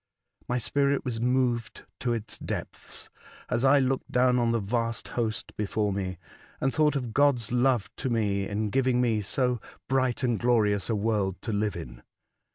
My spirit was moved to its depths as I looked down on the vast host before me, and thought of God's love to me in giving me so bright and glorious a world to live in.